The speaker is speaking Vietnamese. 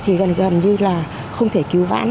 thì gần gần như là không thể cứu vãn